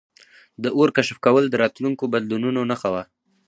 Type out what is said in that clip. د اور کشف کول د راتلونکو بدلونونو نښه وه.